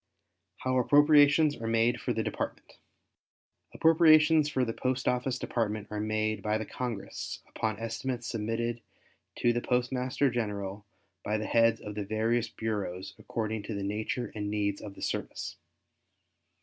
How Appropriations Are Made for the Department Appropriations for the Post Office Department are made by the Congress upon estimates submitted to the Postmaster General by the heads of the various bureaus according to the nature and needs of the service.